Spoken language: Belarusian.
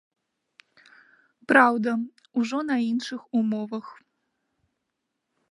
Праўда, ужо на іншых умовах.